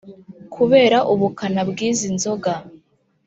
Kubera ubukana bw’izi nzoga